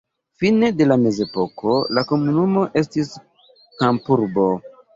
Fine de la mezepoko la komunumo estis kampurbo.